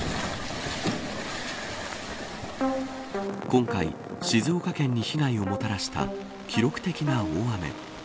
今回、静岡県に被害をもたらした記録的な大雨。